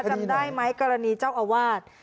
จำได้ไหมกรณีเจ้าอาวาส